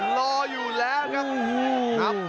รออยู่แล้วครับ